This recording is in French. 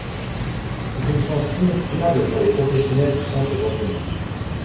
C'est une chance inestimable pour les professionnels du centre d'entraînement.